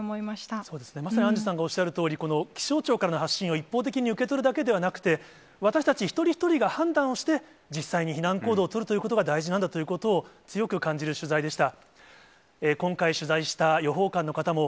そうですね、まさにアンジュさんがおっしゃるとおり、この気象庁からの発信を一方的に受け取るだけではなくて、私たち一人一人が判断をして、実際に避難行動を取るということが大事なんだということを、強く感じる取材でした。